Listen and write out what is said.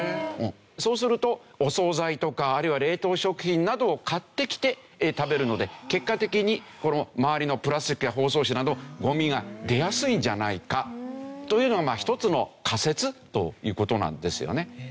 そうするとお総菜とかあるいは冷凍食品などを買ってきて食べるので結果的にこの周りのプラスチックや包装紙などゴミが出やすいんじゃないかというのが一つの仮説という事なんですよね。